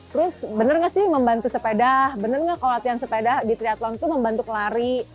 terus bener gak sih membantu sepeda bener nggak kalau latihan sepeda di triathlon itu membantu lari